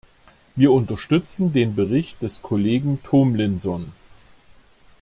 Wir unterstützen den Bericht des Kollegen Tomlinson.